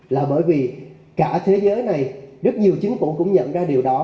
là bởi vì cả thế giới này rất nhiều chính phủ cũng nhận ra điều đó